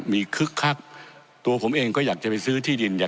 มีคึกคักตัวผมเองก็อยากจะไปซื้อที่ดินอยาก